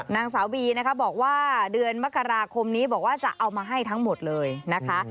นางสาวบีนะคะบอกว่าเดือนมกราคมนี้บอกว่าจะเอามาให้ทั้งหมดเลยนะคะ